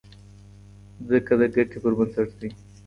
ځکه د ګټې پر بنسټ دی.